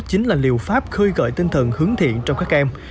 chính là liều pháp khơi gợi tinh thần hướng thiện trong các em